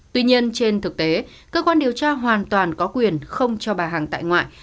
tuy nhiên trên thực tế cơ quan điều tra hoàn toàn có quyền không cho bà hằng tại ngoại